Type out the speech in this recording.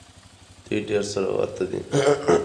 دوی ډېر سره ورته دي.